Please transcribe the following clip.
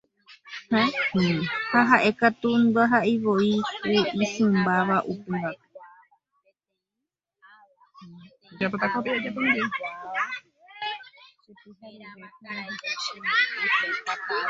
Ha ha'e katu ndaha'eivoi ku isỹimbáva upévape.